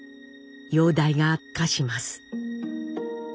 容体が悪化します。